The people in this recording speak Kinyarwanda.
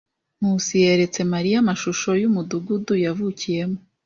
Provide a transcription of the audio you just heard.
Nkusi yeretse Mariya amashusho yumudugudu yavukiyemo.